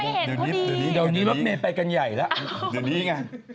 คุณผู้ชมน่ารักจริง